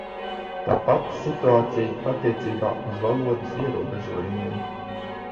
Tā pati situācija attiecībā uz valodas ierobežojumiem.